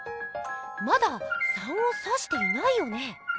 まだ「３」をさしていないよね？